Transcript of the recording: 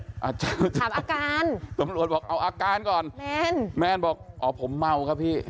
อาจารย์ถามอาการตำรวจบอกเอาอาการก่อนแมนแมนบอกอ๋อผมเมาครับพี่